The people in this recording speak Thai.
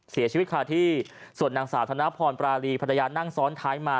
เสียชีวิตคาที่ส่วนนางสาวธนพรปรารีภรรยานั่งซ้อนท้ายมา